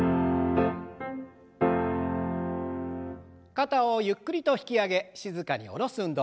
肩をゆっくりと引き上げ静かに下ろす運動。